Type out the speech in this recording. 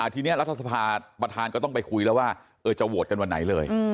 ทีนี้รัฐสภาประธานก็ต้องไปคุยแล้วว่าจะโหวตกันวันไหนเลย